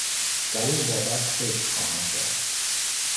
در این بابت فکر خواهم کرد